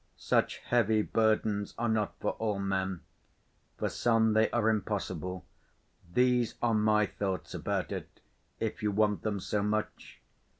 Such heavy burdens are not for all men. For some they are impossible. These are my thoughts about it, if you want them so much.